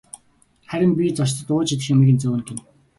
Харин би зочдод ууж идэх юмыг нь зөөнө гэнэ.